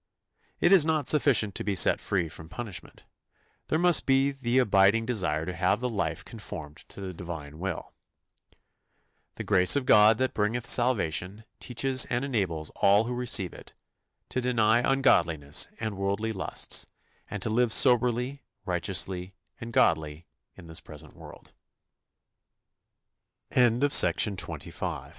" It is not sufficient to be set free from punishment, there must be the abiding desire to have the life conformed to the Divine will. "The grace of God that bringeth salvation" teaches and enables all who receive it "to deny ungodliness and worldly lusts, and to live soberly, righteous